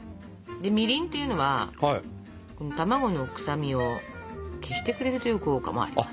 みりんっていうのは卵の臭みを消してくれるという効果もあります。